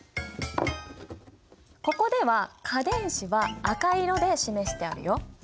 ここでは価電子は赤色で示してあるよ。